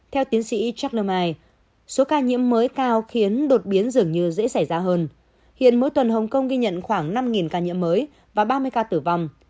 theo tiến sĩ chartlo mai số ca nhiễm mới cao khiến đột biến dường như dễ xảy ra hơn hiện mỗi tuần hồng kông ghi nhận khoảng năm ca nhiễm mới và ba mươi ca tử vong